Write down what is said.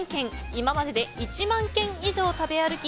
今までで１万軒以上食べ歩き